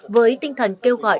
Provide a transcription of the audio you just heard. với tinh thần kêu gọi